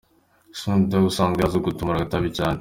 Snoop Dogg ubusanzwe yari azwi mu gutumura agatabi cyane.